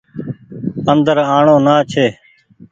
اندر آڻو نآ ڇي۔